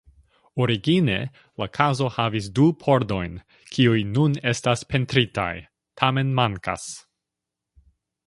Origine la kazo havis du pordojn, kiuj nun estas pentritaj, tamen mankas.